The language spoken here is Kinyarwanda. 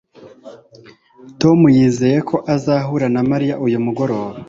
tom yizeye ko azahura na mariya uyu mugoroba